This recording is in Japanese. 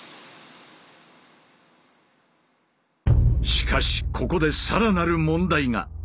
しかしここでさらなる問題が。